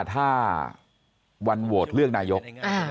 ถ้าวันโหวตเลือกนายก